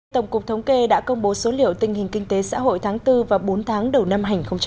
tổng cục thống kê đã công bố số liệu tình hình kinh tế xã hội tháng bốn và bốn tháng đầu năm hai nghìn hai mươi